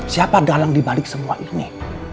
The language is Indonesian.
siapa dalang dibalik semua ini